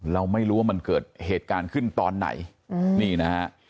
เราไม่รู้ว่ามันเกิดเหตุการณ์ขึ้นตอนไหนนี่นะฮะ